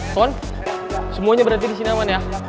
son semuanya berarti disini aman ya